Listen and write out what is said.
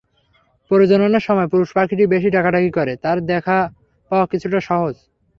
প্রজননের সময় পুরুষ পাখিটি বেশি ডাকাডাকি করে, তার দেখা পাওয়া কিছুটা সহজ।